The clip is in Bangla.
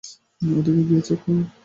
ওদিকে গিয়ে চেক করো।